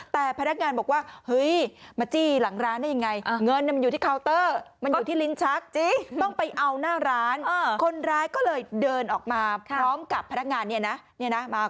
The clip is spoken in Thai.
แต่พนักงานบอกว่าเฮ้ยมาจี้หลังร้านได้ยังไง